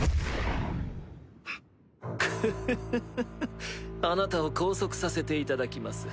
クフフフあなたを拘束させていただきます。